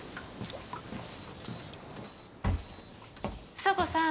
房子さん